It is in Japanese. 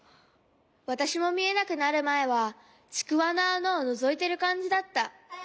わたしもみえなくなるまえはちくわのあなをのぞいてるかんじだった。